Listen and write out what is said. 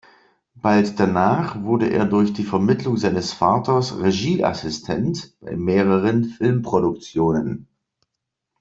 Bald danach wurde er durch die Vermittlung seines Vaters Regieassistent bei mehreren Filmproduktionen.